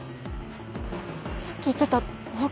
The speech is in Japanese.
さっき言ってたお墓？